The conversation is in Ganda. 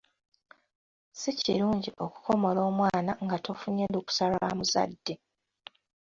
Si kirungi okukomola mwana nga tofunye lukusa lwa muzadde.